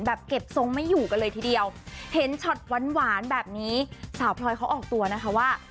เก็บทรงไม่อยู่กันเลยทีเดียวเห็นช็อตหวานหวานแบบนี้สาวพลอยเขาออกตัวนะคะว่า